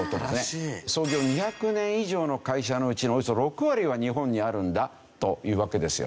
創業２００年以上の会社のうちのおよそ６割は日本にあるんだというわけですよね。